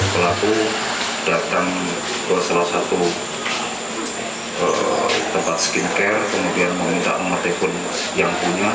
pelaku datang ke salah satu tempat skincare kemudian meminta nomor telepon yang punya